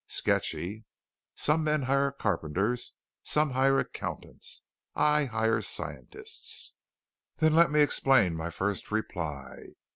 "Sketchy. Some men hire carpenters, some hire accountants, I hire scientists." "Then let me explain my first reply.